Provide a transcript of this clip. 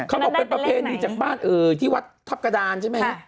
เขาบอกเป็นประเพณีจากบ้านที่วัดทัพกระดานใช่ไหมฮะ